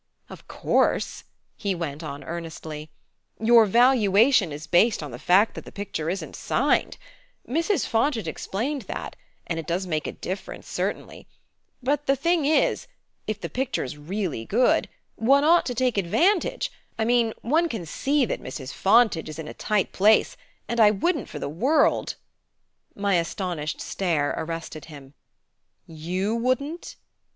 "Of course," he went on earnestly, "your valuation is based on the fact that the picture isn't signed Mrs. Fontage explained that; and it does make a difference, certainly. But the thing is if the picture's really good ought one to take advantage ? I mean one can see that Mrs. Fontage is in a tight place, and I wouldn't for the world " My astonished stare arrested him. "You wouldn't